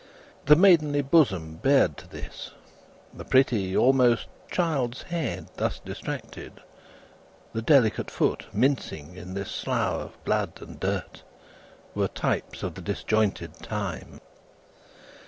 The maidenly bosom bared to this, the pretty almost child's head thus distracted, the delicate foot mincing in this slough of blood and dirt, were types of the disjointed time.